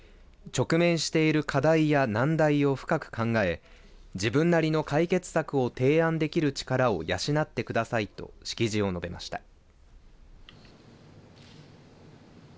直面している課題や難題を深く考え自分なりの解決策を提案できる力を養ってくださいと式辞を述べました。